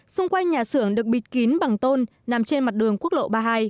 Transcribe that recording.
xung quanh nhà xưởng được bịt kín bằng tôn nằm trên mặt đường quốc lộ ba mươi hai